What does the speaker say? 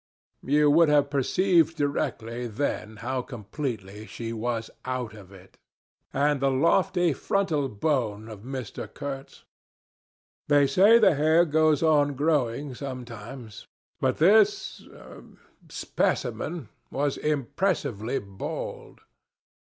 You would have perceived directly then how completely she was out of it. And the lofty frontal bone of Mr. Kurtz! They say the hair goes on growing sometimes, but this ah specimen, was impressively bald.